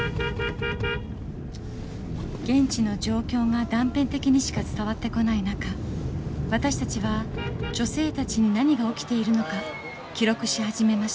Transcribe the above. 現地の状況が断片的にしか伝わってこない中私たちは女性たちに何が起きているのか記録し始めました。